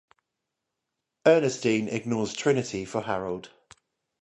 Earnestine ignores Trinity for Harold.